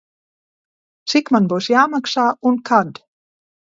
Cik man būs jāmaksā un kad?